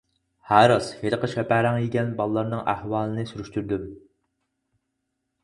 ھە راست، ھېلىقى شەپەرەڭ يېگەن بالىلارنىڭ ئەھۋالىنى سۈرۈشتۈردۈم.